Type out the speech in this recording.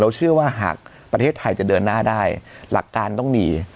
เชื่อว่าหากประเทศไทยจะเดินหน้าได้หลักการต้องมี